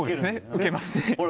受けますね。